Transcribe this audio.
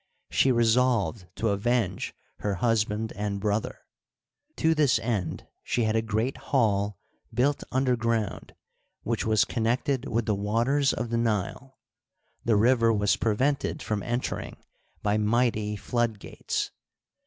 She resolved to avenge her husband and brother. To this end she had Digitized byCjOOQlC THE OLD EMPIRE. 45 a great hall built underground which was connected with the waters of the Nile ; the river was prevented from en tering by mighty flood gates.